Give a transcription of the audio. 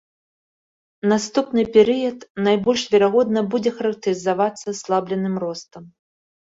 Наступны перыяд, найбольш верагодна, будзе характарызавацца аслабленым ростам.